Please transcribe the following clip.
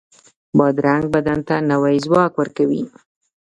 بادرنګ بدن ته نوی ځواک ورکوي.